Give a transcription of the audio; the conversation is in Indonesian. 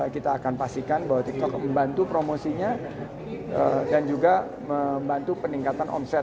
kita akan pastikan bahwa tiktok membantu promosinya dan juga membantu peningkatan omset